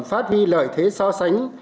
phát huy lợi thế so sánh